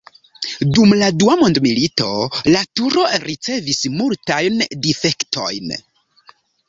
Dum la Dua mondmilito la turo ricevis multajn difektojn.